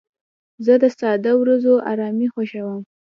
زه د ساده ورځو ارامي خوښوم.